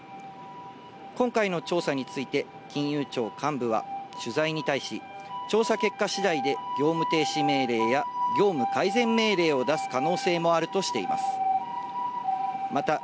今回の調査について、金融庁幹部は取材に対し、調査結果次第で業務停止命令や業務改善命令を出す可能性もあるとしています。